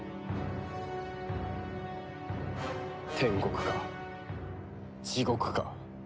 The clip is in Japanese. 天国か地獄か。